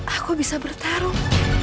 aku bisa bertarung